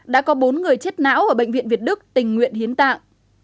đã có bốn người chết não ở bệnh viện việt đức tình nguyện hiến tạng